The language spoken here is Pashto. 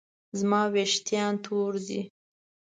زما ویښتان تور دي